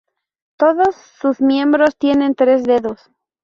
Todos sus miembros tienen tres dedos.